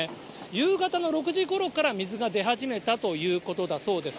夕方の６時ごろから水が出始めたということだそうです。